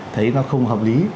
thấy nó không hợp lý